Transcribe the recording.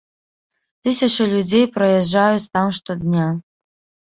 Тысячы людзей праязджаюць там штодня.